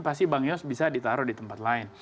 pasti bang yos bisa ditaruh di tempat lain